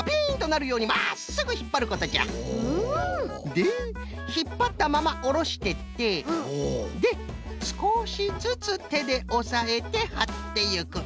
でひっぱったままおろしてってですこしずつてでおさえてはっていく。